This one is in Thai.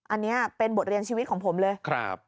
อันนี้เป็นบทเรียนชีวิตของผมเลย